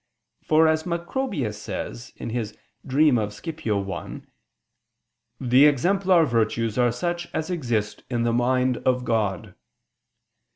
For as Macrobius says (Super Somn. Scip. 1), the "exemplar virtues are such as exist in the mind of God."